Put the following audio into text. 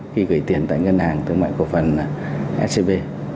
khi gửi tiền tại ngân hàng thương mại cổ phần scb